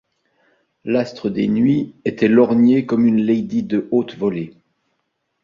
L’astre des nuits était lorgné comme une lady de haute volée.